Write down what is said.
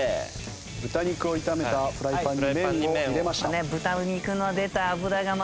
豚肉を炒めたフライパンに麺を入れました。